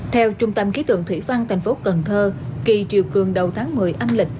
theo trung tâm ký tượng thủy văn thành phố cần thơ kỳ triều cường đầu tháng một mươi âm lịch